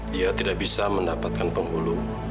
dia tidak bisa mendapatkan penghulu